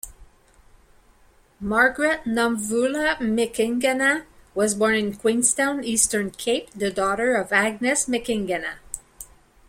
Margaret Nomvula M'cingana was born in Queenstown, Eastern Cape, the daughter of Agnes M'cingana.